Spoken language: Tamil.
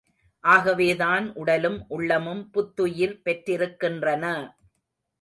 ஆகவேதான், உடலும் உள்ளமும் புத்துயிர் பெற்றிருக்கின்றன!